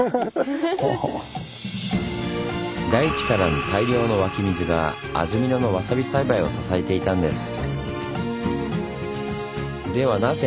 大地からの大量の湧き水が安曇野のわさび栽培を支えていたんです。